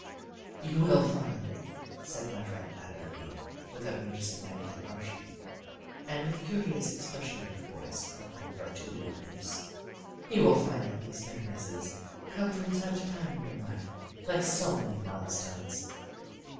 "You will find," said my friend Annabel Lee without noticing my interruption, and with curious expressions in her voice and upon her two red lips "you will find that these bitternesses come from time to time in your life, like so many milestones.